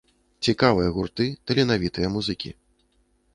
Цікавыя гурты, таленавітыя музыкі.